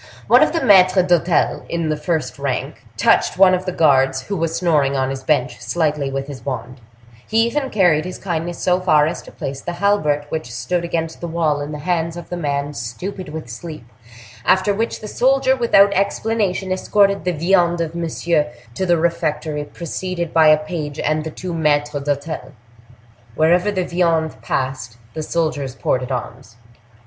One of the maitres d'hotel, the first in rank, touched one of the guards, who was snoring on his bench, slightly with his wand; he even carried his kindness so far as to place the halbert which stood against the wall in the hands of the man stupid with sleep, after which the soldier, without explanation, escorted the viande of Monsieur to the refectory, preceded by a page and the two maitres d'hotel. Wherever the viande passed, the soldiers ported arms.